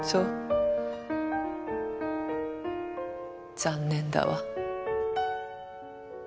残念だわ。